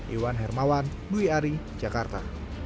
iwan hermawan dwi ari jakarta